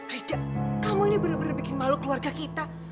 tidak kamu ini benar benar bikin malu keluarga kita